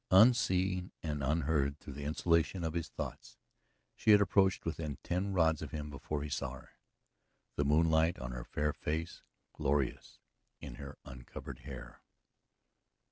Unseen and unheard through the insulation of his thoughts, she had approached within ten rods of him before he saw her, the moonlight on her fair face, glorious in her uncovered hair.